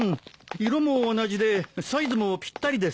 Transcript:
色も同じでサイズもぴったりですから。